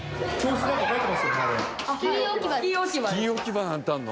スキー置き場なんてあるの？